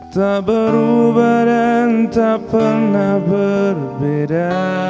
tak berubah dan tak pernah berbeda